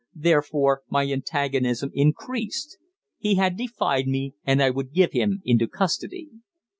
Therefore my antagonism increased. He had defied me, and I would give him into custody.